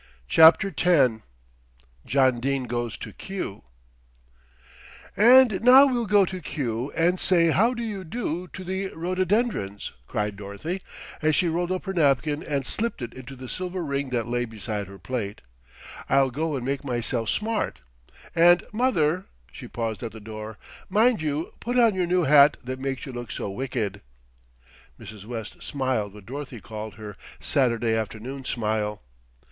CHAPTER X JOHN DENE GOES TO KEW "And now we'll go to Kew and say how do you do to the rhododendrons," cried Dorothy, as she rolled up her napkin and slipped it into the silver ring that lay beside her plate. "I'll go and make myself smart; and mother" she paused at the door "mind you put on your new hat that makes you look so wicked." Mrs. West smiled what Dorothy called her "Saturday afternoon smile."